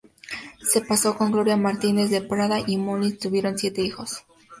Se casó con Gloria Martínez de Prada y Molins y tuvieron siete hijos.